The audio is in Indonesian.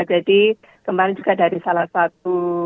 jadi kemarin juga dari salah satu